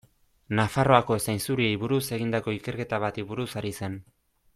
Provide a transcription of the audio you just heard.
Nafarroako zainzuriei buruz egindako ikerketa bati buruz ari zen.